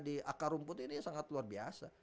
di akar rumput ini sangat luar biasa